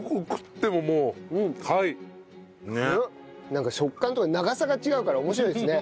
なんか食感とか長さが違うから面白いですね。